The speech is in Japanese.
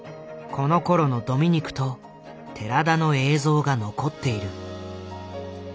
このころのドミニクと寺田の映像が残っている。